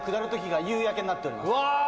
うわ！